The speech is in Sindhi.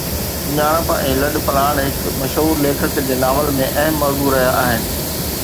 سڃاڻپ ۽ لڏپلاڻ هر مشهور ليکڪ جي ناول ۾ اهم موضوع رهيا آهن